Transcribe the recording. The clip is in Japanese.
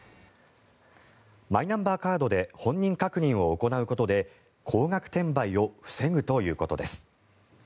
マイナンバーカードで本人確認を行うことで高額転売を防ぐということです。